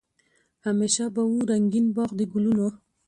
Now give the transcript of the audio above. همېشه به وو رنګین باغ د ګلونو